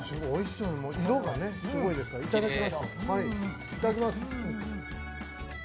いただきます。